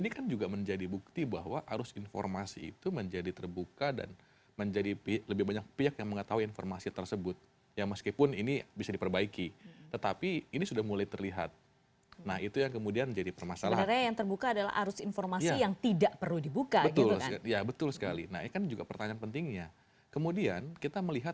karena biar kondisi tidak boleh berubah